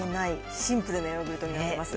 シンプルなヨーグルトになっています。